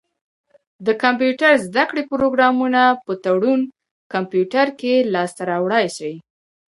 د کمپيوټر زده کړي پروګرامونه په تړون کمپيوټر کي لاسته را وړلای سی.